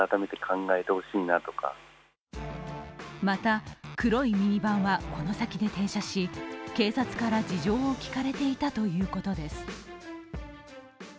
また黒いミニバンはこの先で停車し警察から事情を聴かれていたということです。